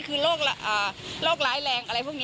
เกิดว่าจะต้องมาตั้งโรงพยาบาลสนามตรงนี้